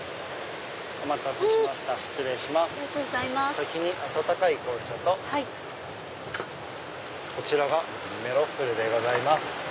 お先に温かい紅茶とこちらがメロッフルでございます。